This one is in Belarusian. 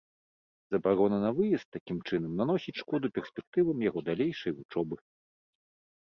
Забарона на выезд, такім чынам, наносіць шкоду перспектывам яго далейшай вучобы.